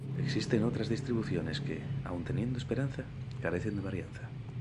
Existen otras distribuciones que, aun teniendo esperanza, carecen de varianza.